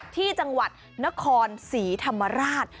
ที่จังหวัดนครศรีธรรมราช